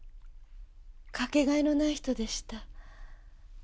掛けがえのない人でした。